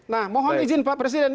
nah mohon izin pak presiden